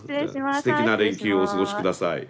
すてきな連休をお過ごし下さい。